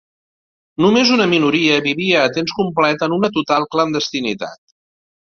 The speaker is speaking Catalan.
Només una minoria vivia a temps complet en una total clandestinitat.